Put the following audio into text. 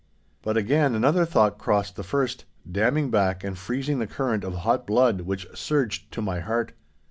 But again another thought crossed the first, damming back and freezing the current of hot blood which surged to my heart.